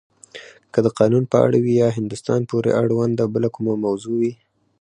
که د قانون په اړه وی یا هندوستان پورې اړونده بله کومه موضوع وی.